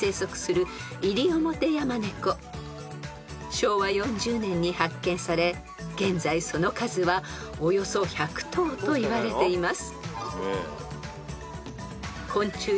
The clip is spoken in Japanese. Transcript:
［昭和４０年に発見され現在その数はおよそ１００頭といわれています］